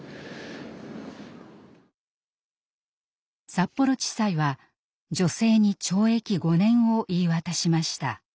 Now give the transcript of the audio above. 札幌地裁は女性に懲役５年を言い渡しました。